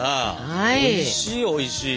おいしいおいしい。